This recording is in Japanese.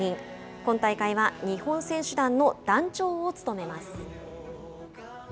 今大会は日本選手団の団長を務めます。